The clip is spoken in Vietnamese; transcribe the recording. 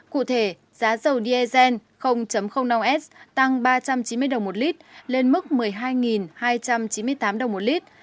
cụ thể giá dầu diesel năm s tăng ba trăm chín mươi đồng một lít lên mức một mươi hai hai trăm chín mươi tám đồng một lít